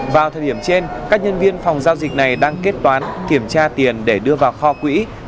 vào thời điểm trên các nhân viên phòng giao dịch này đang kết toán kiểm tra tiền để đưa vào kho quỹ